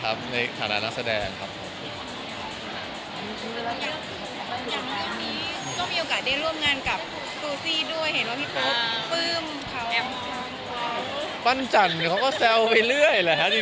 มันไม่ใช่เรื่องจริงอะไรขนาดนั้น